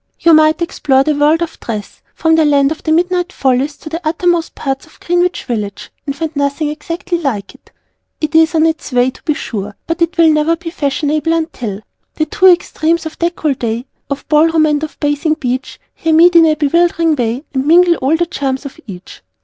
You might explore the World of Dress, from the Land of the Midnight Follies to the Uttermost parts of Greenwich Village and find nothing exactly like it. It is on its way, to be sure, but it will never be fashionable until The two extremes of décolleté Of Ballroom and of Bathing Beach Here meet in a bewildering way _And mingle all the charms of each.